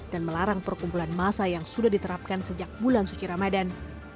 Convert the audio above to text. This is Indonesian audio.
dan melarang perkumpulan masa yang sudah diterapkan sejak bulan suci ramadan